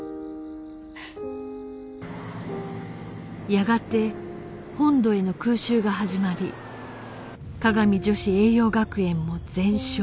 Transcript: やがて本土への空襲が始まり香美女子栄養学園も全焼